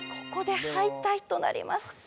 ここで敗退となります。